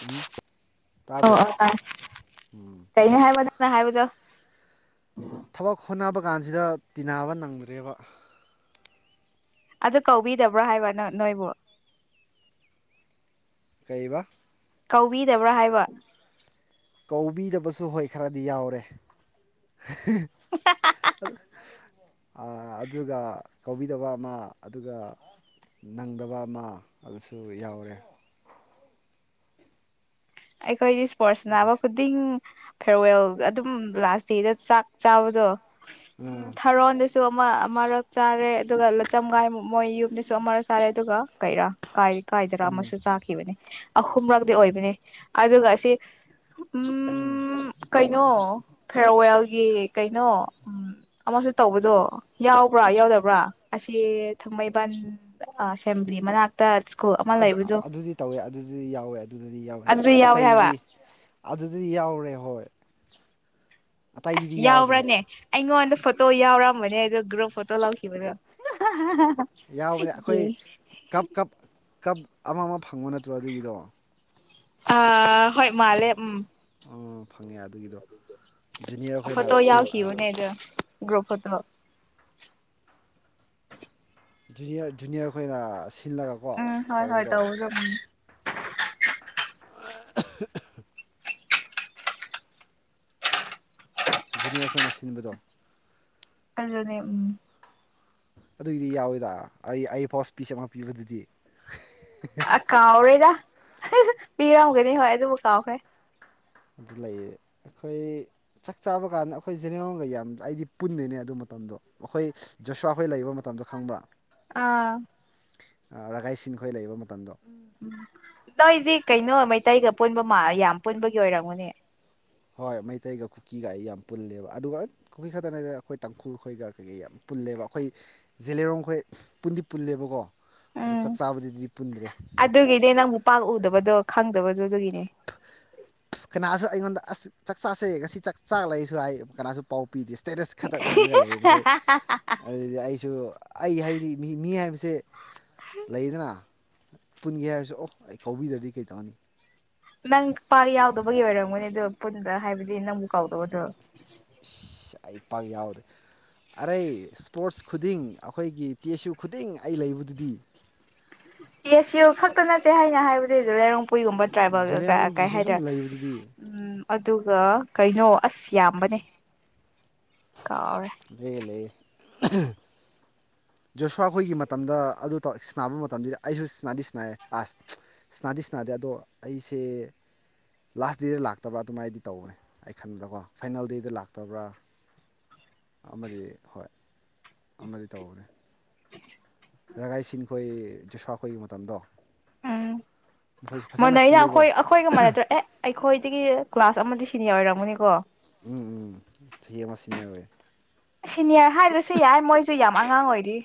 ꯎꯝ ꯑꯣ ꯇꯥꯕ꯭ꯔꯣ ꯑꯣ ꯑꯥ ꯀꯩ ꯍꯥꯏꯕ ꯅꯪꯅ ꯍꯥꯏꯕꯗꯣ ꯊꯕꯛ ꯍꯣꯠꯅꯕ ꯀꯥꯟꯁꯤꯗ ꯇꯤꯟꯅꯕ ꯅꯪꯗ꯭ꯔꯦꯕ ꯑꯗꯨ ꯀꯧꯕꯤꯗꯕ꯭ꯔꯥ ꯍꯥꯏꯕ ꯅꯣꯏꯕꯨ ꯀꯩꯕ ꯀꯧꯕꯤꯗꯕ꯭ꯔꯥ ꯍꯥꯏꯕ ꯀꯧꯕꯤꯗꯕꯁꯨ ꯍꯣꯏ ꯈꯔꯗꯤ ꯌꯥꯎꯔꯦ ꯑꯗꯨ ꯑꯥ ꯑꯗꯨꯒ ꯀꯧꯕꯤꯗꯕ ꯑꯃ ꯑꯗꯨꯒ ꯅꯪꯗꯕ ꯑꯃ ꯑꯗꯨꯁꯨ ꯌꯥꯎꯔꯦ ꯑꯩꯈꯣꯏꯗꯤ ꯏꯁꯄꯣꯔꯠꯁ ꯁꯥꯅꯕ ꯑꯗꯨꯒꯤꯁꯨ ꯈꯨꯗꯤꯡ ꯐꯦꯌꯔꯋꯦꯜ ꯑꯗꯨꯝ ꯂꯥꯁ ꯗꯦꯗ ꯆꯥꯛ ꯆꯥꯕꯗꯣ ꯎꯝ ꯑꯥ ꯊꯥꯔꯣꯟꯗꯁꯨ ꯑꯗꯨ ꯑꯃ ꯑꯃꯔꯛ ꯆꯥꯔꯦ ꯑꯗꯨꯒ ꯂꯆꯝꯒꯥꯏ ꯃꯣꯏ ꯌꯨꯝꯗꯁꯨ ꯑꯃꯔꯛ ꯆꯥꯔꯦ ꯑꯗꯨꯒ ꯀꯩꯔꯥ ꯀꯥꯏ ꯀꯥꯏꯗꯔ ꯎꯝ ꯑꯃꯁꯨ ꯆꯥꯈꯤꯕꯅꯤ ꯑꯍꯨꯝꯔꯛꯇꯤ ꯑꯣꯏꯕꯅꯤ ꯑꯗꯨꯒ ꯑꯁꯤ ꯎꯝ ꯀꯩꯅꯣ ꯐꯦꯑꯔꯋꯦꯜꯒꯤ ꯀꯩꯅꯣ ꯎꯝ ꯑꯃꯁꯨ ꯇꯧꯕꯗꯣ ꯌꯥꯎꯕ꯭ꯔꯥ ꯌꯥꯎꯗꯕ꯭ꯔꯥ ꯑꯁꯤ ꯊꯥꯡꯃꯩꯕꯟ ꯁꯦꯝ ꯒꯤ ꯃꯅꯥꯛꯇ ꯁ꯭ꯀꯨꯜ ꯑꯃ ꯑꯗꯨ ꯂꯩꯕꯗꯣ ꯑꯗꯨꯗꯤ ꯇꯧꯋꯦ ꯑꯗꯨꯗꯤ ꯌꯥꯎꯋꯦ ꯑꯗꯨꯗꯗꯤ ꯌꯥꯎꯋꯦ ꯑꯗꯨꯗ ꯑꯇꯩꯗꯨꯗꯤ ꯍꯥꯏꯕ ꯑꯗꯨꯗꯤ ꯌꯥꯎꯔꯦ ꯍꯣꯏ ꯑꯁ ꯑꯇꯩꯗꯗꯤ ꯌꯥꯎꯗ꯭ꯔꯦ ꯌꯥꯎꯕ꯭ꯔꯅꯦ ꯑꯩꯉꯣꯟꯗ ꯐꯣꯇꯣ ꯌꯥꯎꯔꯝꯒꯅꯤ ꯑꯩꯗꯣ ꯒ꯭ꯔꯨꯞ ꯐꯣꯇꯣ ꯂꯧꯈꯤꯕꯗꯣ ꯌꯥꯎꯕꯅꯦ ꯑꯩꯈꯣꯏ ꯀꯞ ꯀꯞ ꯀꯞ ꯑꯃ ꯑꯃ ꯐꯪꯕ ꯅꯠꯇ꯭ꯔꯣ ꯑꯗꯨꯒꯤꯗꯣ ꯑ ꯍꯣꯏ ꯃꯥꯜꯂꯦ ꯎꯝ ꯑꯥ ꯐꯪꯉꯦ ꯑꯗꯨꯒꯤꯗꯣ ꯖꯨꯅꯤꯌꯔ ꯈꯣꯏꯅ ꯐꯣꯇꯣ ꯁꯦꯝ ꯌꯥꯎꯈꯤꯕꯅꯦ ꯑꯗꯣ ꯒ꯭ꯔꯨꯞ ꯐꯣꯇꯣ ꯖꯨꯅꯤꯌꯔ ꯖꯨꯅꯤꯌꯔꯈꯣꯏꯅ ꯁꯤꯜꯂꯒꯀꯣ ꯎꯝ ꯍꯣꯏ ꯍꯣꯏ ꯇꯧꯕꯗꯣ ꯎꯝ [unintelligible] ꯖꯨꯅꯤꯌꯔ ꯈꯣꯏꯅ ꯁꯤꯟꯕꯗꯣ ꯑꯗꯨꯅꯦ ꯎꯝ ꯑꯗꯨꯏꯗꯤ ꯌꯥꯎꯋꯤꯗ ꯑꯩ ꯑꯩ ꯄꯥꯎꯁ ꯄꯤꯁ ꯑꯃ ꯄꯤꯕꯗꯨꯗꯤ ꯑ ꯀꯥꯎꯔꯦꯗ ꯄꯤꯔꯝꯒꯅꯤ ꯍꯣꯏ ꯑꯗꯨꯕꯨ ꯀꯥꯎꯈ꯭ꯔꯦ ꯑꯗꯨ ꯂꯩꯌꯦ ꯑꯩꯈꯣꯏ ꯆꯥꯛ ꯆꯥꯕ ꯀꯥꯟꯗ ꯑꯩꯈꯣꯏ ꯖꯦꯅꯦꯔꯣꯟꯒ ꯌꯥꯝ ꯑꯩꯗꯤ ꯄꯨꯟꯗꯦꯅꯦ ꯑꯗꯨ ꯃꯇꯝꯗꯣ ꯑꯩꯈꯣꯏ ꯖꯁ꯭ꯋꯥꯈꯣꯏ ꯂꯩꯕ ꯃꯇꯝꯗꯣ ꯈꯪꯕ꯭ꯔꯥ ꯑꯥ ꯔꯥꯒꯥꯏꯁꯤꯡ ꯈꯣꯏ ꯂꯩꯕ ꯃꯇꯝꯗꯣ ꯎꯝ ꯎꯝ ꯇꯩꯏꯗꯤ ꯀꯩꯅꯣ ꯃꯩ ꯇꯩꯒ ꯄꯨꯟꯕ ꯌꯥꯝ ꯄꯨꯟꯕꯒꯤ ꯑꯣꯏꯔꯝꯒꯅꯤ ꯍꯣꯏ ꯃꯩꯇꯩꯒ ꯀꯨꯀꯤꯒ ꯑꯩ ꯌꯥꯝ ꯄꯨꯜꯂꯦꯕ ꯑꯗꯨꯒ ꯀꯨꯀꯤ ꯈꯛꯇꯅꯦꯗ ꯑꯩꯈꯣꯏ ꯇꯥꯡꯈꯨꯜꯈꯣꯏꯒ ꯀꯩꯀꯩ ꯌꯥꯝ ꯄꯨꯜꯂꯤ ꯄꯨꯜꯂꯦꯕ ꯑꯩꯈꯣꯏ ꯖꯦꯂꯦꯔꯣꯡ ꯑꯩꯈꯣꯏ ꯄꯨꯟꯗꯤ ꯄꯨꯜꯂꯦꯕꯀꯣ ꯑꯗꯣ ꯎꯝ ꯆꯥꯛ ꯆꯥꯕꯗꯨꯗꯤ ꯄꯨꯟꯗ꯭ꯔꯦ ꯑꯗꯨꯒꯤꯗꯤ ꯅꯪꯕꯨ ꯄꯥꯛ ꯎꯗꯕꯗꯣ ꯈꯪꯗꯕ ꯑꯗꯨ ꯑꯗꯨꯒꯤꯅꯦ ꯀꯅꯥꯁꯨ ꯑꯩꯉꯣꯟꯗ ꯑꯁ ꯆꯥꯛ ꯆꯥꯛꯁꯦ ꯉꯁꯤ ꯆꯥꯛ ꯆꯥꯛ ꯂꯩꯁꯨ ꯍꯥꯏ ꯀꯅꯥꯁꯨ ꯄꯥꯎ ꯄꯤꯗꯦ ꯁ꯭ꯇꯦꯇꯁ ꯈꯛꯇ ꯎꯔꯒ ꯂꯩꯌꯦ ꯅꯈꯣꯏ ꯑꯗꯨꯗꯤ ꯑꯩꯁꯨ ꯑꯩ ꯍꯥꯏꯕꯗꯤ ꯃꯤ ꯃꯤ ꯍꯥꯏꯕꯁꯤ ꯂꯩꯗꯅ ꯄꯨꯟꯒꯦ ꯍꯥꯏꯔꯁꯨ ꯑꯣ ꯑꯩ ꯀꯧꯕꯤꯗ꯭ꯔꯗꯤ ꯀꯩ ꯇꯧꯅꯤ ꯅꯪ ꯄꯥꯛ ꯌꯥꯎꯗꯕꯒꯤ ꯑꯣꯏꯔꯝꯒꯅꯤ ꯑꯗꯨ ꯄꯨꯟꯗ ꯍꯥꯏꯕꯗꯤ ꯅꯪꯕꯨ ꯀꯧꯎꯗꯕꯗꯣ ꯏꯁ ꯑꯩ ꯄꯥꯛ ꯌꯥꯎꯗꯦ ꯑꯔꯩ ꯏꯁꯄꯣꯔꯠꯁ ꯈꯨꯗꯤꯡ ꯑꯩꯈꯣꯏꯒꯤ ꯇꯦꯁꯨ ꯈꯨꯗꯤꯡ ꯑꯩ ꯂꯩꯕꯗꯨꯗꯤ [inaudible] ꯇꯦꯁꯨꯏ ꯈꯛꯇ ꯅꯠꯇꯦ ꯍꯥꯏꯅ ꯍꯥꯏꯕꯗꯨꯗ ꯖꯦꯂꯦꯔꯣꯡ ꯑꯩꯈꯣꯏꯒꯨꯝꯕ ꯇ꯭ꯔꯥꯏꯕꯦꯜ ꯑꯀꯩ ꯀꯩ ꯖꯦꯂꯦꯔꯣꯡꯒꯤꯁꯨ ꯁꯨꯝ ꯍꯥꯏꯗ꯭ꯔ ꯂꯩꯕꯗꯨꯗꯤ ꯎꯝ ꯑꯗꯨꯒ ꯀꯩꯅꯣ ꯑꯁ ꯌꯥꯝꯕꯅꯦ ꯀꯥꯎꯔꯦ ꯂꯩꯌꯦ ꯂꯩꯌꯦ ꯖꯣꯁ꯭ꯋꯥ ꯈꯣꯏꯒꯤ ꯃꯇꯝꯗ ꯑꯗꯨ ꯇꯧꯔ ꯁꯟꯅꯕ ꯃꯇꯝꯗꯨꯗꯤ ꯑꯩꯁꯨ ꯁꯅꯥꯗꯤ ꯁꯅꯩꯌꯦ ꯑꯁ ꯁꯅꯥꯗꯤ ꯁꯅꯥꯗꯦ ꯑꯗꯣ ꯑꯩꯁꯦ ꯂꯥꯁ ꯗꯦꯗ ꯂꯥꯛꯇꯕ ꯑꯗꯨꯃꯥꯏꯅꯗꯤ ꯇꯧꯕꯅꯦ ꯑꯩ ꯈꯟꯕꯗꯀꯣ ꯐꯥꯏꯅꯦꯜ ꯗꯦꯗ ꯂꯥꯛꯇꯕ꯭ꯔꯥ ꯑꯃꯗꯤ ꯍꯣꯏ ꯑꯃꯗꯤ ꯇꯧꯕꯅꯦ ꯔꯒꯥꯏꯁꯤꯟ ꯈꯣꯏ ꯖꯁꯋꯥꯥꯈꯣꯏꯒꯤ ꯃꯇꯝꯗꯣ ꯎꯝ ꯃꯈꯣꯏꯁꯨ ꯐꯖꯅ ꯃꯅꯩꯌꯦ ꯑꯩꯈꯣꯏ ꯁꯤꯜꯂꯦꯀꯣ ꯑꯩꯈꯣꯏꯒ ꯃꯥꯟꯅꯗ꯭ꯔꯦ ꯑꯦ ꯑꯩꯈꯣꯏꯗꯒꯤ ꯀ꯭ꯂꯥꯁ ꯑꯃꯗꯤ ꯁꯤꯅꯤꯌꯔ ꯑꯣꯏꯔꯝꯒꯅꯤꯀꯣ ꯎꯝ ꯎꯝ ꯆꯍꯤ ꯑꯃꯥ ꯁꯤꯅꯤꯌꯔ ꯑꯣꯏ ꯁꯤꯅꯤꯌꯔ ꯍꯥꯏꯗ꯭ꯔꯁꯨ ꯌꯥꯏ ꯃꯣꯏꯁꯨ ꯌꯥꯝ ꯑꯉꯥꯡ ꯑꯣꯏꯔꯤ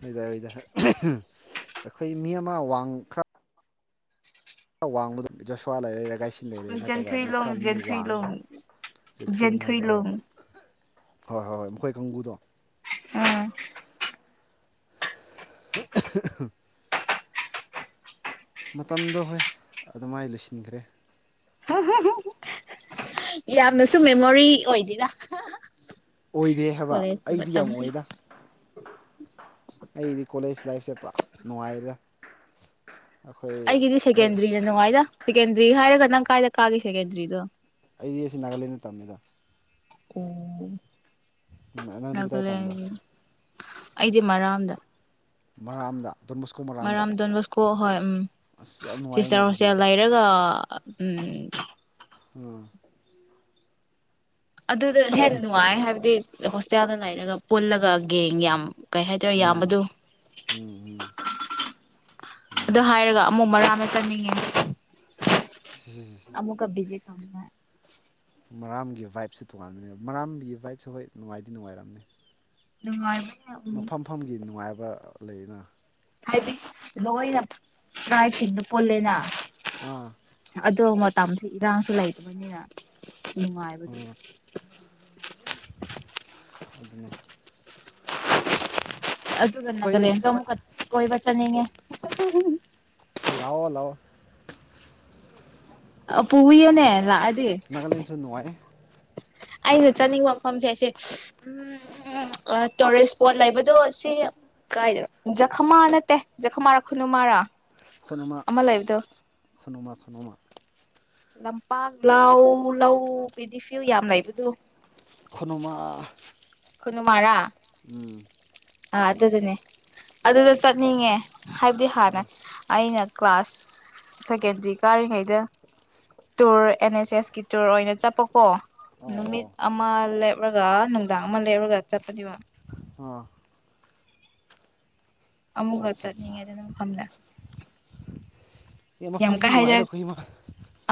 ꯅꯣꯏꯗ ꯍꯣꯏꯗ ꯑꯩꯈꯣꯏ ꯃꯤ ꯑꯃ ꯋꯥꯡ ꯈ꯭ꯔ ꯋꯥꯡꯕꯗꯣ ꯖꯣꯁꯋꯥ ꯂꯩꯔꯦ ꯀꯥꯏꯁꯤꯟ ꯂꯩꯔꯦ ꯅꯠꯇꯕ ꯑꯃ ꯈꯔ ꯖꯦꯟꯊꯨꯏꯂꯣꯡ ꯃꯤ ꯋꯥꯡꯉꯒ ꯖꯦꯟꯊꯨꯏꯂꯣꯡ ꯆꯦꯟꯊꯨꯏꯅꯨꯡ ꯍꯥꯏꯕ꯭ꯔ ꯍꯣꯏ ꯖꯦꯟꯊꯣꯏꯂꯣꯡ ꯍꯣꯏ ꯍꯣꯏ ꯍꯣꯏ ꯃꯈꯣꯏ ꯀꯥꯡꯕꯨꯨꯗꯣ ꯎꯝ [unintelligible] ꯃꯇꯝꯗꯣ ꯍꯣꯏ ꯑꯗꯨꯃꯥꯏ ꯂꯣꯏꯁꯤꯟꯈ꯭ꯔꯦ [unintelligible] ꯌꯥꯝꯅꯁꯨ ꯃꯦꯃꯣꯔꯤ ꯑꯣꯏꯗꯦꯗ ꯑꯣꯏꯗꯦ ꯍꯥꯏꯕ ꯀꯣꯂꯦꯖꯀꯤ ꯑꯩꯗꯤ ꯌꯥꯝ ꯃꯇꯝꯁꯦ ꯑꯣꯏꯗꯦꯗ ꯑꯩꯗꯤ ꯀꯣꯂꯦꯖ ꯂꯥꯏꯐꯁꯦ ꯄꯨꯔꯥ ꯅꯨꯡꯉꯥꯏꯗ ꯑꯩꯈꯣꯏ ꯑꯩꯒꯤꯗꯤ ꯍꯣꯏ ꯁꯦꯀꯦꯟꯗ꯭ꯔꯤꯅ ꯅꯨꯡꯉꯥꯏꯗ ꯁꯦꯀꯦꯟꯗ꯭ꯔꯤ ꯍꯥꯏꯔꯒ ꯅꯪ ꯀꯥꯏꯗ ꯀꯥꯒꯦ ꯁꯦꯀꯦꯟꯗ꯭ꯔꯤꯗꯣ ꯑꯩꯗꯤ ꯑꯁꯤ ꯅꯥꯒꯥꯂꯦꯟꯗ ꯇꯝꯃꯦꯗ ꯎꯝ ꯅꯪꯗꯤ ꯀꯗꯥꯏ ꯇꯝꯕ꯭ꯔꯥ ꯑꯩꯗꯤ ꯃꯔꯥꯝꯗ ꯃꯔꯥꯝꯗ ꯗꯣꯟ ꯕꯣꯁꯀꯣ ꯃꯔꯥꯝꯗ ꯃꯔꯥꯝ ꯗꯣꯟꯕꯣꯁꯀꯣ ꯍꯣꯏ ꯎꯝ ꯑꯁ ꯌꯥꯝ ꯅꯨꯡꯉꯥꯏꯅꯦ ꯁꯤꯁꯇꯔ ꯍꯣꯁꯇꯦꯜ ꯑꯗꯨꯗꯤ ꯂꯩꯔꯒ ꯑ ꯎꯝ ꯎꯝ ꯑꯗꯨꯗ ꯍꯦꯟꯅ ꯅꯨꯡꯉꯥꯏ ꯍꯥꯏꯕꯗꯤ ꯍꯣꯁꯇꯦꯜꯗ ꯂꯩꯔꯒ ꯄꯨꯜꯂꯒ ꯌꯦꯡ ꯌꯥꯝ ꯀꯩ ꯍꯥꯏꯇꯥꯔꯦ ꯎꯝ ꯌꯥꯝꯕꯗꯨ ꯎꯝ ꯑꯗꯨ ꯎꯝ ꯍꯥꯏꯔꯒ ꯑꯃꯨꯛ ꯃꯔꯥꯝꯗ ꯆꯠꯅꯤꯡꯉꯦ ꯎꯝ ꯑꯃꯨꯛꯀꯥ ꯕꯤꯖꯤꯠ ꯇꯧꯅꯤꯡꯉꯦ ꯃꯔꯥꯝꯒꯤ ꯚꯥꯏꯞꯁꯦ ꯇꯣꯉꯥꯟꯕꯅꯦ ꯃꯔꯥꯝꯒꯤ ꯚꯥꯏꯞꯁꯨ ꯍꯣꯏ ꯅꯨꯡꯉꯥꯏꯗꯤ ꯅꯨꯡꯉꯥꯏꯔꯝꯅꯤ ꯅꯨꯡꯉꯥꯏ ꯃꯐꯝ ꯃꯐꯝꯒꯤ ꯅꯨꯡꯉꯥꯏꯕ ꯂꯩꯅ ꯍꯥꯏꯗꯤ ꯂꯣꯏꯅ ꯇꯔꯥꯏꯁꯤꯡꯗꯣ ꯄꯨꯣꯜꯂꯦꯅ ꯑꯥ ꯑꯗꯨ ꯇꯝꯁ ꯏꯔꯥꯡꯁꯨ ꯂꯩꯇꯕꯅꯤꯅ ꯅꯨꯡꯉꯥꯏꯕꯒꯤ ꯎꯝ ꯑꯗꯨꯅꯦ ꯑꯗꯨꯒ ꯑꯩꯈꯣꯏ ꯅꯥꯒꯥꯂꯦꯟꯁꯨ ꯑꯃꯨꯛꯀꯁꯨ ꯀꯣꯏꯕ ꯆꯠꯅꯤꯡꯉꯦ ꯂꯥꯛꯑꯣ ꯂꯥꯛꯑꯣ ꯑ ꯄꯨꯕꯤꯌꯣꯅꯦ ꯂꯥꯛꯑ ꯅꯥꯒꯥꯂꯦꯟꯁꯨ ꯅꯨꯡꯉꯥꯏꯌꯦ ꯑꯩꯅ ꯆꯠꯅꯤꯡꯕ ꯃꯐꯝꯁꯦ ꯑꯩꯁꯦ ꯎꯝ ꯇꯨꯔꯤꯁ ꯏꯁꯄꯣꯠ ꯂꯩꯕꯗꯣ ꯁꯤ ꯀꯥꯏꯗ ꯖꯈꯃꯥ ꯅꯠꯇꯦ ꯖꯈꯃꯥ ꯔꯥ ꯈꯨꯅꯨꯃꯔꯥ ꯈꯨꯅꯣꯃꯥ ꯈꯨꯅꯣꯃꯥ ꯇꯨꯅꯣꯃꯥ ꯂꯝꯄꯥꯛ ꯂꯥꯎ ꯂꯧ ꯄꯦꯗꯤ ꯐꯤꯜ ꯌꯥꯝ ꯂꯩꯕꯗꯨ ꯈꯣꯅꯨꯃꯥ ꯈꯣꯅꯨꯃꯥꯔꯥ ꯎꯝ ꯑꯥ ꯑꯗꯨꯗꯨꯅꯦ ꯑꯗꯨꯗ ꯆꯠꯅꯤꯡꯉꯦ ꯍꯥꯏꯕꯗꯤ ꯍꯥꯟꯅ ꯑꯩꯅ ꯀ꯭ꯂꯥꯁ ꯁꯦꯀꯦꯇ꯭ꯔꯤ ꯀꯥꯔꯤꯉꯩꯗ ꯇꯨꯔ ꯑꯦꯟ ꯑꯦꯁ ꯑꯦꯁ ꯀ ꯇꯨꯔ ꯑꯣꯏꯅ ꯆꯄ ꯀꯣ ꯑꯣ ꯅꯨꯃꯤꯠ ꯑꯣ ꯑꯃ ꯂꯦꯞꯔꯒ ꯅꯨꯡꯗꯥꯡ ꯑꯃ ꯂꯦꯞꯔꯒ ꯆꯠꯄꯅꯦꯕ ꯑꯥ ꯑꯠꯆꯥ ꯑꯃꯨꯀ ꯑꯠꯆꯥ ꯑꯠꯆꯥ ꯌꯠꯅꯤꯡꯉꯦ ꯑꯗꯨꯒꯤ ꯃꯐꯝꯗ ꯌꯦ ꯌꯥꯝ ꯃꯐꯐꯝꯁꯦ ꯀꯥ ꯅꯨꯡꯉꯥꯏꯗ ꯍꯥꯏꯖꯔꯛ ꯑꯈꯣꯢ ꯃ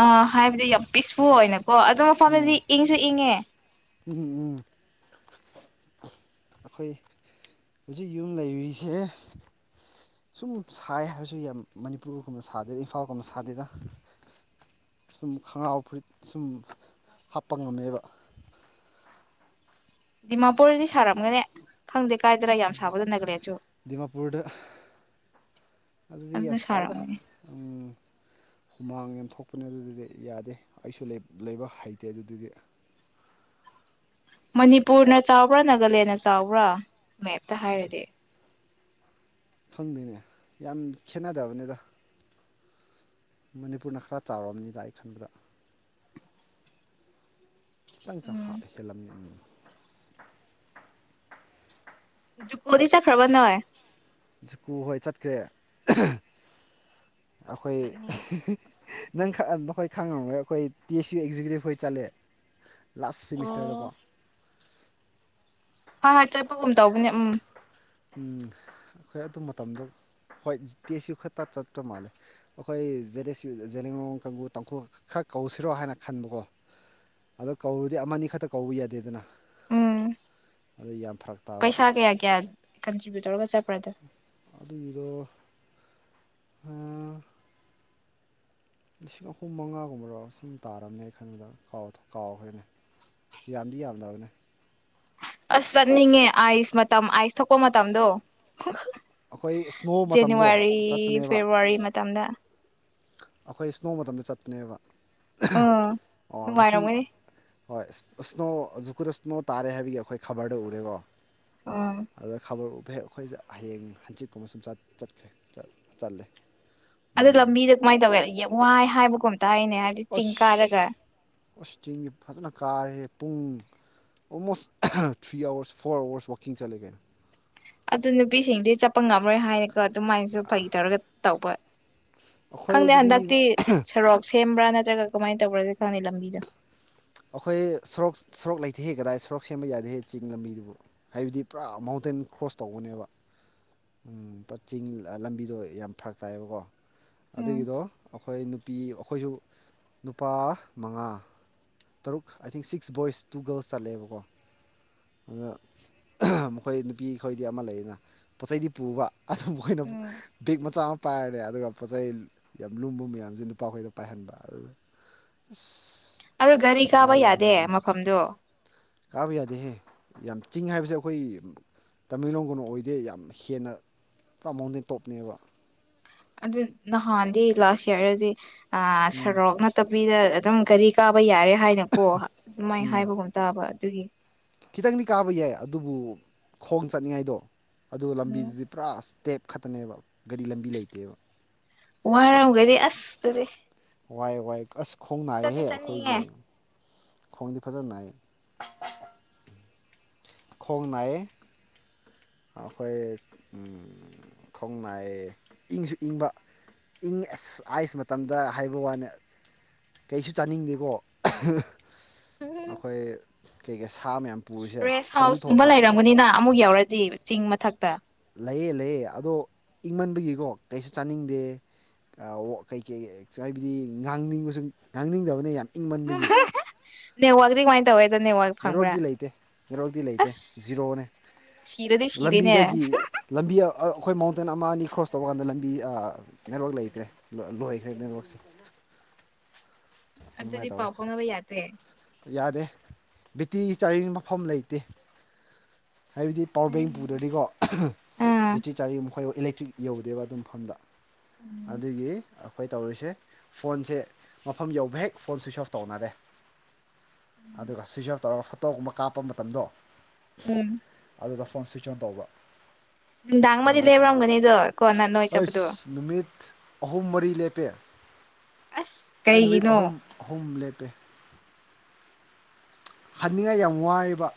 ꯑ ꯍꯥꯏꯕꯗꯤ ꯌꯥꯝ ꯄꯤꯁꯐꯨꯜ ꯑꯣꯏꯔꯝ ꯀꯣ ꯑꯗꯨ ꯎꯝ ꯃꯐꯝꯗꯗꯤ ꯏꯪꯁꯨ ꯏꯪꯉꯦ ꯎꯝ ꯎꯝ ꯑꯩꯈꯣꯏ ꯍꯧꯖꯤꯛ ꯌꯨꯝ ꯂꯩꯔꯤꯁꯦ ꯁꯨꯝ ꯁꯥꯏ ꯍꯥꯏꯔꯁꯨ ꯌꯥꯝ ꯃꯅꯤꯄꯨꯔꯒꯨꯝꯅ ꯁꯥꯗꯦꯗ ꯏꯝꯐꯥꯜꯒꯨꯝꯕ ꯁꯥꯗꯦꯗ ꯁꯨꯝ ꯈꯣꯡꯒ꯭ꯔꯥꯎ ꯐꯨꯔꯤꯠ ꯁꯨꯝ ꯍꯥꯞꯄ ꯉꯝꯃꯦꯕ ꯗꯤꯃꯥꯄꯨꯔꯗꯤ ꯁꯥꯔꯝꯒꯅꯦ ꯈꯪꯗꯦ ꯀꯥꯏꯗꯔꯥ ꯑꯁ ꯌꯥꯝ ꯁꯥꯕꯗꯣ ꯅꯒꯂꯦꯟꯁꯨ ꯗꯤꯃꯥꯄꯨꯔꯗ ꯑꯗꯨꯗꯤ ꯌꯥꯝ ꯁꯥꯏꯌꯦꯗ ꯎꯝ ꯍꯨꯃꯥꯡ ꯌꯥꯝꯦꯝꯊꯣꯛꯄꯅꯦ ꯑꯗꯨꯗꯨꯗꯤ ꯌꯥꯗꯦ ꯑꯩꯁꯨ ꯂꯩꯕ ꯍꯩꯇꯦ ꯑꯗꯨꯗꯨꯗꯤ ꯃꯅꯤꯄꯨꯔꯅ ꯆꯥꯎꯕ꯭ꯔꯥ ꯅꯥꯒꯥꯂꯦꯟꯅ ꯆꯥꯎꯕ꯭ꯔꯥ ꯃꯦꯞꯇ ꯍꯥꯏꯔꯗꯤ ꯐꯪꯗꯦꯅꯦ ꯌꯥꯝ ꯈꯦꯠꯅꯗꯕꯅꯤꯗ ꯃꯅꯤꯄꯨꯔꯅ ꯈꯔ ꯆꯥꯎꯔꯕꯔꯕꯅꯤꯗ ꯑꯩ ꯈꯟꯕꯗ ꯈꯤꯇꯪꯁꯦ ꯍꯥ ꯎꯝ ꯍꯦꯜꯂꯝꯅꯤ ꯖꯨꯀꯣꯂꯤ ꯆꯠ ꯈ꯭ꯔꯕ ꯅꯣꯏ ꯖꯨꯀꯨ ꯍꯣꯏ ꯆꯠꯈ꯭ꯔꯦ ꯑꯩꯈꯣꯏ ꯆꯠꯅꯤꯡꯉꯦ ꯅꯪ ꯈ ꯑꯩꯈꯣꯏ ꯈꯪꯉꯝꯔꯣꯢ ꯑꯩꯈꯣꯏ ꯇꯤ ꯁꯤ ꯑꯦꯛꯖꯤꯀ꯭ꯌꯨꯇꯤꯚ ꯍꯣꯏ ꯆꯠꯂꯦ ꯂꯥꯁ ꯑꯣ ꯁꯤꯦꯃꯤꯁꯇꯔꯗꯀꯣ ꯍ ꯍꯣꯏ ꯆꯠꯄꯒꯨꯝ ꯇꯧꯕꯅꯦ ꯎꯝ ꯑꯩꯈꯣꯏ ꯑꯗꯨ ꯃꯇꯝꯗꯣ ꯍꯣꯏ ꯇꯦꯁꯨ ꯈꯔꯛꯇ ꯆꯠꯄ꯭ꯔ ꯃꯥꯜꯂꯦ ꯑꯩꯈꯣꯏꯦ ꯖꯔꯦꯁꯨ ꯖꯦꯔꯣꯡꯉꯩ ꯀꯥꯡꯒꯨ ꯇꯥꯡꯈꯨ ꯈꯔ ꯀꯧꯁꯤꯔꯣ ꯍꯥꯏꯅ ꯈꯟꯕꯀꯣ ꯑꯗꯣ ꯀꯧꯔꯨꯗꯤ ꯑꯃꯅꯤ ꯑ ꯈꯛꯇ ꯀꯧꯕ ꯌꯥꯗꯦꯗꯅ ꯎꯝ ꯑꯗ ꯌꯥꯝ ꯐꯔꯛ ꯇꯥꯕ ꯄꯩꯁꯥ ꯀꯌꯥ ꯀꯌꯥ ꯀꯟꯇ꯭ꯔꯤꯕ꯭ꯌꯨꯠ ꯇꯧꯔꯒ ꯆꯠꯄ꯭ꯔꯥ ꯑꯗꯣ ꯑꯗꯨꯢꯗꯣ ꯑꯥ ꯂꯤꯁꯤꯡ ꯑꯍꯨꯝ ꯃꯉꯥꯒꯨꯝꯕꯔꯣ ꯁꯨꯝ ꯇꯥꯔꯝꯃꯦ ꯈꯟꯕ ꯀꯥꯎꯕꯨ ꯀꯥꯎꯈ꯭ꯔꯦꯅꯦ ꯌꯥꯝꯗꯤ ꯌꯥꯝꯗꯕꯅꯦ ꯑꯁ ꯆꯠꯅꯤꯡꯉꯦ ꯑꯥꯏꯁ ꯃꯇꯝ ꯑꯥꯏꯁ ꯊꯣꯛꯄ ꯃꯇꯝꯗꯣ ꯑꯩꯈꯣꯏ ꯏꯁ꯭ꯅꯣ ꯃꯇꯝꯗꯣ ꯖꯅꯋꯥꯔꯤ ꯆꯠꯄꯅꯦꯕ ꯐꯦꯕꯋꯥꯔꯤ ꯃꯇꯝꯗ ꯑꯩꯈꯣꯏ ꯏꯁꯅꯣ ꯃꯇꯝꯗ ꯆꯠꯄꯅꯦꯕ ꯑꯥ ꯑꯣ ꯉꯁꯤ ꯅꯨꯡꯉꯥꯏꯔꯝꯒꯅꯤ ꯍꯣꯏ ꯏꯁ꯭ꯅꯣ ꯖꯛꯀꯨꯗ ꯏꯁ꯭ꯅꯣ ꯇꯥꯔꯦ ꯍꯥꯏꯕꯒꯤ ꯑꯩꯈꯣꯏ ꯈꯕꯔꯗ ꯎꯔꯦꯀꯣ ꯑꯥ ꯑꯗꯨ ꯈꯕꯔ ꯍꯦꯛ ꯑꯩꯈꯣꯏꯁꯦ ꯍꯌꯦꯡ ꯍꯟꯆꯤꯠꯀꯨꯝꯕ ꯁꯨꯝ ꯆꯠꯈ꯭ꯔꯦ ꯆꯠꯂꯦ ꯑꯗꯨ ꯎꯝ ꯂꯝꯕꯤꯗ ꯀꯃꯥꯏꯅ ꯇꯧꯏ ꯌꯦꯡꯉꯣ ꯍꯥꯏ ꯍꯥꯏꯕꯒꯨꯝ ꯇꯥꯏꯅꯦ ꯍꯥꯏꯕꯗꯤ ꯆꯤꯡ ꯀꯥꯔꯒ ꯑꯣ ꯆꯤꯡꯁꯤ ꯐꯖꯅ ꯀꯥꯔꯦ ꯄꯨꯡ almost three hours four hours ꯋꯥꯛꯀꯤꯡ ꯆꯠꯂꯦ ꯀꯩꯅꯣ ꯑꯗꯨ ꯅꯨꯄꯤꯁꯤꯡꯗꯤ ꯆꯠꯄ ꯉꯝꯃꯔꯣꯏ ꯍꯥꯏꯔꯀꯣ ꯑꯗꯨꯃꯥꯏꯅꯁꯨ ꯐꯩ ꯇꯧꯔꯒ ꯇꯧꯕ ꯈꯪꯗꯦ ꯑꯩꯈꯣꯏꯗꯗꯤ ꯍꯟꯗꯛꯇꯤ ꯁꯣꯔꯣꯛ ꯁꯦꯝꯕ꯭ꯔꯥ ꯅꯠ ꯅꯠꯇ꯭ꯔꯒ ꯀꯃꯥꯏꯅ ꯇꯧꯕ꯭ꯔꯗꯤ ꯈꯪꯗꯦ ꯂꯝꯕꯤꯗ ꯑꯩꯈꯣꯏ ꯁꯣꯔꯣꯛ ꯁꯣꯔꯣꯛ ꯂꯩꯇꯦꯍꯦ ꯀꯗꯥꯏ ꯁꯣꯔꯣꯛ ꯁꯦꯝꯕ ꯌꯥꯗꯦꯍꯦ ꯆꯤꯡ ꯂꯝꯕꯤꯗꯨꯕꯨ ꯍꯥꯏꯕꯗꯤ ꯄꯨꯔꯥ ꯃꯥꯎꯟꯠ ꯇꯦꯜ ꯀ꯭ꯔꯣꯁ ꯇꯧꯕꯅꯦꯕ ꯄ ꯆꯤꯡ ꯂꯝꯕꯤꯗꯣ ꯌꯥꯝ ꯐꯔꯛ ꯇꯥꯏꯌꯦꯕꯀꯣ ꯎꯝ ꯑꯗꯨꯒꯤꯗꯣ ꯑꯩꯈꯣꯏ ꯅꯨꯄꯤ ꯑꯩꯈꯣꯏꯁꯨ ꯅꯨꯄꯥ ꯃꯉꯥ ꯇꯔꯨꯛ I think six boys two girls ꯆꯠꯂꯦꯕꯀꯣ ꯑꯗ ꯃꯈꯣꯏ ꯅꯨꯄꯤꯈꯣꯏꯗꯤ ꯑꯃ ꯂꯩꯌꯦꯅ ꯄꯣꯠ ꯆꯩꯩꯗꯤ ꯄꯨꯕ ꯑꯗꯨꯕꯨ ꯑꯈꯣꯢꯅ ꯃꯨꯛ ꯎꯝ ꯕꯦꯒ ꯃꯆꯥꯥ ꯄꯥꯏꯔꯦ ꯑꯗꯨꯒ ꯄꯣꯠ ꯆꯩ ꯌꯥꯝ ꯂꯨꯝꯕ ꯃꯌꯥꯝꯁꯦ ꯅꯨꯄꯥꯈꯣꯏꯗ ꯄꯥꯏꯍꯟꯕ ꯑꯗꯨ ꯏꯤꯁ ꯑꯗꯣ ꯒꯥꯔꯤ ꯀꯥꯕ ꯌꯥꯗꯦ ꯃꯐꯝꯗꯣ ꯀꯥꯕ ꯌꯥꯗꯦꯍꯦ ꯌꯥꯝ ꯆꯤꯡ ꯍꯥꯏꯕꯁꯦ ꯑꯩꯈꯣꯏ ꯇꯥꯃꯦꯡꯂꯣꯡꯒꯨꯝꯅ ꯑꯣꯏꯗꯦ ꯌꯥꯝ ꯍꯦꯟꯅ ꯄꯨꯔꯥ ꯃꯥꯎꯟꯇꯦꯟ ꯇꯣꯞꯅꯦꯕ ꯑꯗꯨ ꯅꯍꯥꯟꯗꯤ ꯂꯥꯁ ꯏꯌꯥꯔꯗꯗꯤ ꯎꯝ ꯁꯔꯣꯛ ꯅꯠꯇꯕꯤꯗ ꯈꯤꯇꯪ ꯒꯦꯔꯤ ꯀꯥꯕ ꯌꯥꯔꯦ ꯍꯥꯏꯅꯀꯣ ꯑꯗꯨꯃꯥꯏꯅ ꯎꯝ ꯍꯥꯏꯕꯒꯨꯝ ꯇꯥꯕ ꯑꯗꯨꯒꯤ ꯈꯤꯇꯪꯗꯤ ꯀꯥꯕ ꯌꯥꯏ ꯑꯗꯨꯕꯨ ꯈꯣꯡ ꯆꯠꯅꯤꯡꯉꯥꯏꯗꯣ ꯑꯗꯨ ꯎꯝ ꯂꯝꯕꯤꯗꯨꯗꯤ ꯄꯨꯔꯥ ꯇꯦꯞ ꯈꯛꯇꯅꯦꯕ ꯒꯥꯔꯤ ꯂꯝꯕꯤ ꯂꯩꯇꯦꯕ ꯋꯥꯔꯝꯒꯅꯤ ꯑꯁ ꯑꯗꯨꯗꯤ ꯋꯥꯏ ꯋꯥꯏ ꯑꯁ ꯈꯣꯡ ꯆꯠꯇꯤ ꯅꯥꯏꯍꯦ ꯆꯠꯅꯤꯡꯉꯦ ꯑꯩꯈꯣꯏꯒꯤ ꯈꯣꯡꯗꯤ ꯐꯖꯅ ꯅꯥꯏ ꯈꯣꯡꯅꯥꯏꯌꯦ ꯑꯩꯈꯣꯏ ꯈꯣꯡꯅꯥꯏ ꯏꯪꯁꯨ ꯏꯪꯕ ꯏꯪ ꯑꯁ ꯑꯥꯏꯁ ꯃꯇꯝꯗ ꯍꯥꯏꯕ ꯋꯥꯅꯤ ꯀꯩꯁꯨ ꯆꯥꯅꯤꯡꯗꯦꯀꯣ ꯑꯩꯈꯣꯏ ꯀꯩ ꯀꯩ ꯁꯥ ꯃꯌꯥꯝ ꯄꯨꯔꯤꯁꯦ ꯔꯦꯁ ꯊꯣꯡꯗꯤ ꯍꯥꯎꯁꯀꯨꯝꯕ ꯊꯣꯡꯕ ꯂꯩꯔꯝꯒꯅꯤꯅ ꯑꯃꯨꯛ ꯌꯥꯎꯔꯗꯤ ꯆꯤꯡ ꯃꯊꯛꯇ ꯂꯩꯌꯦ ꯂꯩꯌꯦ ꯑꯗꯣ ꯏꯪꯃꯟꯕꯒꯤꯀꯣ ꯀꯩꯁꯨ ꯆꯥꯅꯤꯡꯗꯦ ꯀꯩꯀꯩ ꯍꯥꯏꯕꯗꯤ ꯉꯥꯡꯅꯤꯡꯕꯁꯨ ꯉꯥꯡꯅꯤꯡꯗꯕꯅꯦ ꯌꯥꯝ ꯏꯪꯃꯟꯕꯒꯤ ꯅꯦꯠꯋꯥꯒꯗꯤ ꯀꯃꯥꯏ ꯇꯧꯏ ꯅꯦꯠꯋꯥꯛꯇꯤ ꯂꯩꯇꯦ ꯅꯦꯠꯋꯥꯛꯇꯤ ꯂꯩꯇꯦ ꯑꯁ ꯖꯤꯔꯣꯅꯦ ꯁꯤꯔꯗꯤ ꯁꯤꯔꯦꯅꯦ ꯂꯝꯕꯤꯗꯒꯤ ꯂꯝꯕꯤ ꯑꯩꯈꯣꯏ ꯃꯥꯎꯟꯇꯦꯟ ꯑꯃ ꯑꯅꯤ ꯀ꯭ꯔꯣꯁ ꯇꯧꯕ ꯀꯥꯟꯗ ꯂꯝꯕꯤ ꯅꯦꯠꯋꯥꯛ ꯂꯩꯇ꯭ꯔꯦ ꯂꯣꯏꯈ꯭ꯔꯦ ꯅꯦꯠꯋꯥꯛꯁꯦ [inaudible] ꯑꯗꯨꯃꯥꯏꯅ ꯑꯗꯨꯗꯤ ꯄꯥꯎ ꯇꯧꯋꯦ ꯐꯥꯎꯅꯕ ꯌꯥꯗꯦ ꯌꯥꯗꯦ ꯕꯤꯇꯤꯒꯤ ꯆꯥꯔꯤꯡ ꯃꯐꯝ ꯂꯩꯇꯦ ꯍꯥꯏꯕꯗꯤ ꯄꯋꯥꯔ ꯕꯦꯡ ꯄꯨꯗ꯭ꯔꯗꯤꯀꯣ ꯑꯥ ꯕꯦꯇ꯭ꯔꯤ ꯆꯥꯔꯖ ꯃꯈꯣꯏ ꯏꯂꯦꯛꯇ꯭ꯔꯤꯛ ꯌꯧꯗꯦꯕ ꯑꯗꯨ ꯃꯐꯝꯗ ꯎꯝ ꯑꯗꯨꯒꯤ ꯑꯩꯈꯣꯏ ꯇꯧꯔꯤꯁꯦ ꯐꯣꯟꯁꯦ ꯃꯐꯝ ꯌꯧꯕ ꯍꯦꯛ ꯐꯣꯟ ꯁꯨꯏꯤꯆ ꯑꯣꯐ ꯇꯧꯅꯔꯦ ꯑꯗꯨꯒ ꯁꯨꯏꯆ ꯑꯣꯞ ꯇꯧꯔꯒ ꯐꯣꯇꯣꯒꯨꯝꯕ ꯀꯥꯞꯄ ꯃꯇꯝꯗꯣ ꯎꯝ ꯑꯗꯨꯗ ꯐꯣꯟ ꯁ꯭ꯋꯤꯆ ꯑꯣꯟ ꯇꯧꯕ ꯅꯨꯡꯗꯥꯡ ꯑꯃꯗꯤ ꯑꯗꯨꯃꯥꯏꯅ ꯇꯧꯋꯦ ꯂꯦꯞꯔꯝꯒꯅꯤꯗꯣ ꯀꯣ ꯅ ꯅꯣꯏ ꯆꯠꯄꯗꯣ ꯑꯩꯁ ꯅꯨꯃꯤꯠ ꯑꯍꯨꯝ ꯃꯔꯤ ꯂꯦꯞ ꯄꯦ ꯑꯁ ꯑꯩ ꯅꯨꯃꯤꯠ ꯀꯩꯒꯤꯅꯣ ꯑꯍꯨꯝ ꯑꯍꯨꯝ ꯂꯦꯞꯄꯦ ꯍꯟꯅꯤꯡꯉꯥꯏ ꯌꯥꯝ ꯋꯥꯏꯕ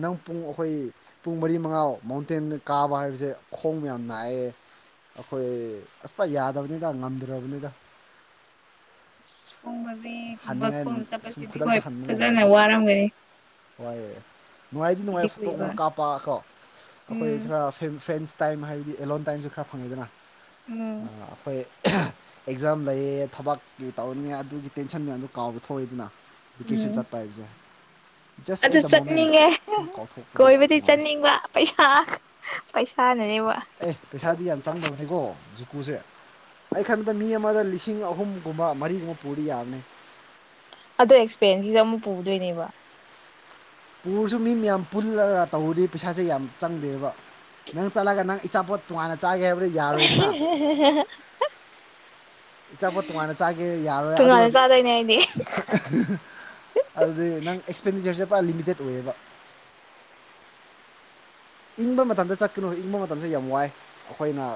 ꯅꯪ ꯄꯨꯡ ꯑꯩꯈꯣꯏ ꯄꯨꯡ ꯃꯔꯤ ꯃꯉꯥ ꯃꯥꯎꯟꯇꯦꯟ ꯀꯥꯕ ꯍꯥꯏꯕꯁꯦ ꯈꯣꯡ ꯌꯥꯝ ꯅꯥꯥꯏꯑꯦ ꯑꯈꯣꯏ ꯑꯁ ꯄꯌꯥ ꯌꯥꯗꯕꯅꯤꯗ ꯉꯝꯗ꯭ꯔꯕꯅꯤꯗ ꯑꯁ ꯄꯨꯡ ꯃꯔꯤꯒꯨꯝꯕ ꯍꯟꯅꯤꯡꯉꯥꯏ ꯈꯣꯡꯅ ꯁꯨꯝ ꯆꯠꯄꯁꯤꯗꯤ ꯍꯣꯏ ꯐꯖꯅ ꯋꯥꯔꯝꯒꯅꯤ ꯍꯣꯏ ꯅꯨꯡꯉꯥꯏꯗꯤ ꯀꯨꯏꯗꯤ ꯅꯨꯡꯉꯥꯏ ꯀꯨꯏꯕ ꯐꯣꯇꯣꯒꯨꯝꯕ ꯀꯥꯞꯄ ꯀꯣ ꯑꯈꯣꯏ ꯎꯝ ꯈꯔ ꯐ꯭ꯔꯦꯟ ꯐ꯭ꯔꯦꯟꯁ ꯇꯥꯏꯝ ꯍꯥꯏꯕꯗꯤ ꯑꯦꯂꯣꯟ ꯇꯥꯏꯝꯁꯨ ꯈꯔ ꯐꯪꯉꯦꯗꯅꯥ ꯎꯝ ꯑꯩꯈꯣꯏ ꯑꯦꯛꯖꯥꯝ ꯂꯩꯌꯦ ꯊꯥꯕꯛꯀꯤ ꯇꯧꯅꯤꯡꯉꯥꯏ ꯑꯗꯨꯒꯤ ꯇꯦꯟꯁꯟ ꯃꯌꯥꯝꯗꯨ ꯀꯥꯎꯕ ꯊꯣꯛꯏꯗꯅ ꯕꯦꯀꯦꯁꯟ ꯎꯝ ꯆꯠꯄ ꯍꯥꯏꯕꯖꯦ ꯑꯗꯨ ꯆꯠꯅꯤꯡꯉꯦ ꯀꯥꯎꯊꯣꯛꯄꯗꯣ ꯀꯣꯏꯕꯗꯤ ꯅꯨꯡꯉꯥꯏ ꯆꯠꯅꯤꯡꯕ ꯄꯩꯁꯥ ꯄꯩꯁꯥꯅꯅꯦꯕ ꯑꯦ ꯄꯩꯁꯥꯗꯤ ꯌꯥꯝ ꯆꯪꯗꯕꯅꯦꯀꯣ ꯖꯨ ꯀꯨꯁꯦ ꯑꯩ ꯈꯟꯕꯗ ꯃꯤ ꯑꯃꯗ ꯂꯤꯁꯤꯡ ꯑꯍꯨꯝꯒꯨꯝꯕ ꯃꯔꯤꯒꯨꯝꯕ ꯄꯨꯔꯗꯤ ꯌꯥꯕꯅꯦ ꯑꯗꯣ ꯑꯦꯛꯁꯄꯦꯟꯀꯤꯖꯨ ꯑꯃꯨꯛ ꯄꯨꯗꯣꯏꯅꯦꯕ ꯄꯨꯔꯁꯨ ꯃꯤ ꯃꯌꯥꯝ ꯄꯨꯜꯂꯒ ꯇꯧꯕꯗꯤ ꯄꯩꯁꯥꯁꯦ ꯌꯥꯝ ꯆꯪꯗꯦꯕ ꯅꯪ ꯆꯠꯂꯒ ꯅꯪ ꯏꯆꯥꯄꯣꯠ ꯇꯣꯉꯥꯟꯅ ꯆꯥꯒꯦ ꯍꯥꯏꯕꯗꯨ ꯌꯥꯔꯣꯏꯗꯅꯥ ꯏꯆꯥꯄꯣꯠ ꯇꯣꯉꯥꯟꯅ ꯆꯥꯒꯦ ꯌꯥꯔꯣꯏ ꯇꯣꯉꯥꯟꯅ ꯑꯗꯨꯒꯗꯤ ꯆꯥꯗꯣꯏꯅꯦ ꯑꯩꯗꯤ ꯑꯍ ꯍ ꯑꯗꯨꯗꯤ ꯅꯪ ꯑꯦꯛꯁꯄꯦꯟꯗꯤꯆꯔꯁꯦ ꯄꯨꯔꯥ ꯂꯤꯃꯤꯇꯦꯠ ꯑꯣꯏꯌꯦꯕ ꯏꯪꯕ ꯃꯇꯝꯗ ꯆꯠꯀꯅꯨ ꯏꯪꯕ ꯃꯇꯝꯁꯤ ꯌꯥꯝ ꯋꯥꯏ ꯑꯈꯣꯏꯅ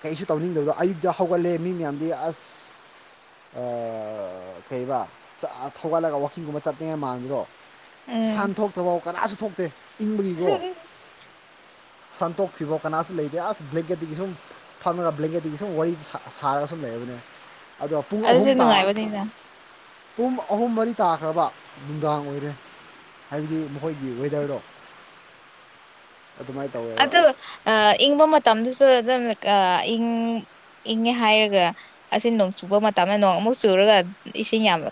ꯀꯩꯁꯨ ꯇꯧꯅꯤꯡꯗꯕꯗꯣ ꯑꯌꯨꯛꯇ ꯍꯧꯒꯠꯂꯦ ꯃꯤ ꯃꯌꯥꯝꯗꯤ ꯑꯁ ꯑ ꯀꯩꯑꯕ ꯆꯥ ꯊꯧꯒꯠꯂꯒ ꯋꯥꯛꯀꯤꯡꯒꯨꯝꯕ ꯆꯠꯅꯤꯡꯉꯥꯏ ꯃꯥꯟꯗ꯭ꯔꯣ ꯁꯟ ꯊꯣꯛꯇꯕꯥꯎ ꯀꯅꯥꯁꯨ ꯊꯣꯛꯇꯦ ꯍ ꯍ ꯁꯟꯊꯣꯛꯇ꯭ꯔꯤꯕꯣ ꯀꯅꯥꯁꯨ ꯂꯩꯇꯦ ꯑꯁ ꯕ꯭ꯂꯦꯡꯀꯦꯠꯇꯒꯤ ꯁꯨꯝ ꯐꯝꯅꯔꯒ ꯕ꯭ꯂꯦꯡꯀꯦꯠꯇꯒꯤ ꯁꯨꯝ ꯋꯥꯔꯤ ꯁꯥꯔꯒ ꯃꯐꯝ ꯂꯩꯕꯅꯦ ꯑꯗꯣ ꯄꯨꯡ ꯑꯗꯨꯁꯨ ꯑꯍꯨꯝ ꯇꯥ ꯅꯨꯡꯉꯥꯏꯕꯅꯤꯅ ꯄꯨꯡ ꯑꯍꯨꯝ ꯃꯔꯤ ꯇꯥꯈ꯭ꯔꯕ ꯅꯨꯡꯗꯥꯡ ꯑꯣꯏꯔꯦ ꯍꯥꯏꯕꯗꯤ ꯃꯈꯣꯏꯒꯤ ꯋꯦꯗꯔꯗꯣ ꯑꯗꯨꯃꯥꯏꯅ ꯇꯧꯋꯦꯕ ꯑꯗꯨ ꯑ ꯏꯪꯕ ꯃꯇꯝꯗꯨꯁꯨ ꯑꯗꯨꯝ ꯑ ꯏꯪ ꯏꯪꯉꯦ ꯍꯥꯏꯔꯒ ꯑꯁꯤ ꯅꯣꯡ ꯆꯨꯕ ꯃꯇꯝꯗ ꯅꯣꯡ ꯑꯃꯨꯛ ꯆꯨꯔꯒ ꯏꯁꯤꯡ ꯌꯥꯝꯅ